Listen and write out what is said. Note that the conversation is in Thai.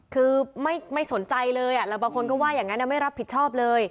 คือไม่สนใจเลยแล้วบางคนก็ว่าอย่างนั้นไม่รับผิดชอบเลย